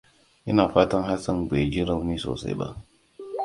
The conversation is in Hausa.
Ina fatan Hassan bai ji rauni sosai ba.